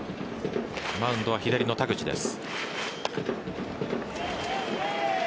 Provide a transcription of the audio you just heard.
マウンドは左の田口です。